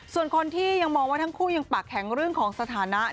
ส่วนคนที่ยังมองว่าทั้งคู่ยังปากแข็งเรื่องของสถานะ